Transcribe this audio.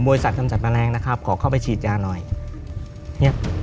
บริษัทกำจัดแมลงนะครับขอเข้าไปฉีดยาหน่อยเนี้ย